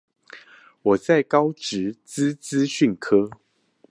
我在高職資資訊科